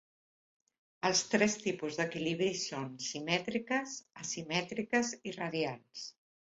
Els tres tipus d'equilibri són simètriques, asimètriques i radials.